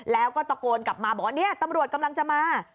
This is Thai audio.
แล้วก็ตะโกนกลับมาบอกว่าเนี่ยตำรวจกำลังจะมา